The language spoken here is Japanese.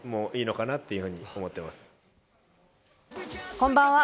こんばんは。